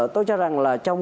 tôi cho rằng là trong